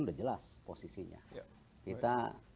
udah jelas posisinya kita